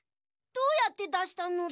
どうやってだしたのだ？